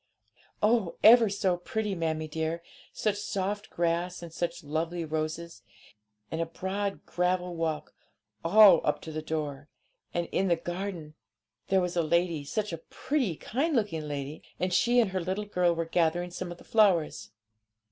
'Oh, ever so pretty, mammie dear; such soft grass and such lovely roses, and a broad gravel walk all up to the door. And in the garden there was a lady; such a pretty, kind looking lady! and she and her little girl were gathering some of the flowers.'